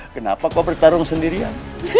kenapa kau bertarung sendirian